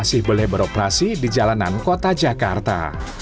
dibelah beroperasi di jalanan kota jakarta